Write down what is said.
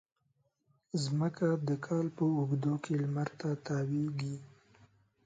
مځکه د کال په اوږدو کې لمر ته تاوېږي.